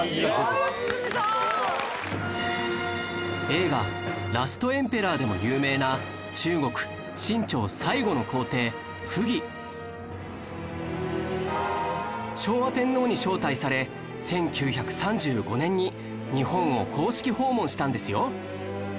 映画『ラストエンペラー』でも有名な昭和天皇に招待され１９３５年に日本を公式訪問したんですよ